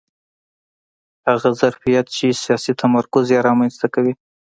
هغه ظرفیت چې سیاسي تمرکز یې رامنځته کوي